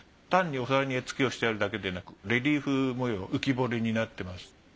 単にお皿に絵付けをしてあるだけでなくレリーフ模様浮き彫りになってます。